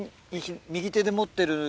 右手で持ってる。